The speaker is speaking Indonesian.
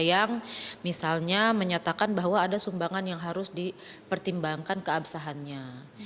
yang misalnya menyatakan bahwa ada sumbangan yang harus dipertimbangkan keabsahannya